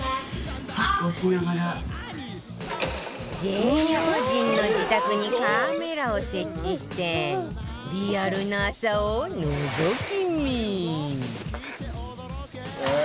芸能人の自宅にカメラを設置してリアルな朝をのぞき見。